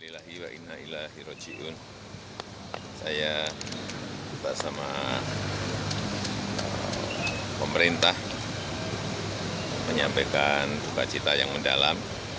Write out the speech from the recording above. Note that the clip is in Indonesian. saya hiroji un saya bersama pemerintah menyampaikan buka cita yang mendalam